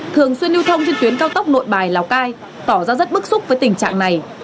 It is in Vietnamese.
thường xuyên lưu thông trên tuyến cao tốc nội bài lào cai tỏ ra rất bức xúc với tình trạng này